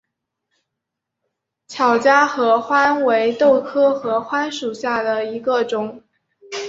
巧家合欢为豆科合欢属下的一个种。